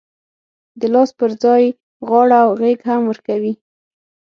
د لاس پر ځای غاړه او غېږ هم ورکوي.